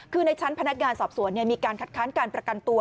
คือในชั้นพนักงานสอบสวนมีการคัดค้านการประกันตัว